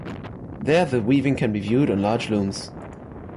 There the weaving can be viewed on large looms.